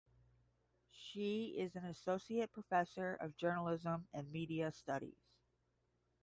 She is an Associate professor of Journalism and Media Studies.